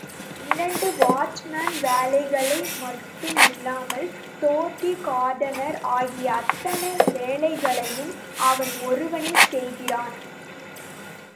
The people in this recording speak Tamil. இரண்டு வாட்ச்மேன் வேலைகளை மட்டுமில்லாமல், தோட்டி கார்டனர் ஆகிய அத்தனை வேலைகளையும் அவன் ஒருவனே செய்கிறான்.